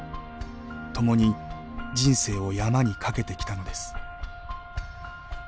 ともに人生を山に懸けてきたのです。